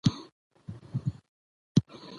د افغانستان موزیمونه تاریخي شیان لري.